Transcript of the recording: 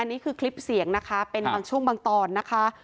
นี่คือคลิปเสียงนะคะเป็นบางช่วงบางตอนนะคะ